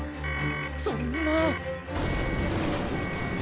そんな！